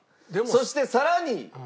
そしてさらに！